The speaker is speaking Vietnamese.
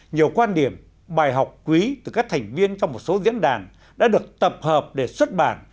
nhiều quan điểm bài học quý từ các thành viên trong một số diễn đàn đã được tập hợp để xuất bản